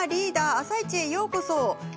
「あさイチ」へようこそ。